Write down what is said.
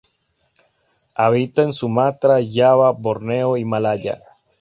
Habita en Sumatra, Java, Borneo, y Malaya.